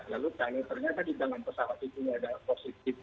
lalu kalau ternyata di dalam pesawat itu tidak ada positif